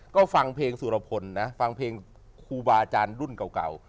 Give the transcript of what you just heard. ก็ฟังเพลงสุรพลนะฟังเพลงครูบาอาจารย์รุ่นเก่า